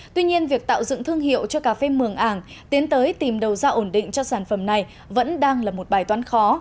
tuy nhiên việc tạo dựng thương hiệu cho cà phê mường ảng tiến tới tìm đầu ra ổn định cho sản phẩm này vẫn đang là một bài toán khó